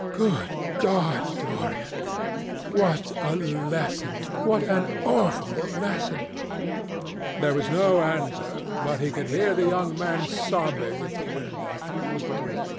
"Good God, Dorian, what a lesson! What an awful lesson!" There was no answer, but he could hear the young man sobbing at the window.